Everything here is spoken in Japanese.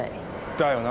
だよな。